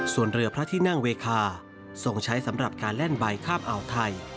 ส่วนเรือพระที่นั่งเวคาส่งใช้สำหรับการแล่นใบข้ามอ่าวไทย